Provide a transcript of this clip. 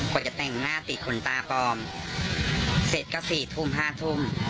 กว่าจะแต่งหน้าติดขนตาปลอมเสร็จก็๔ทุ่ม๕ทุ่ม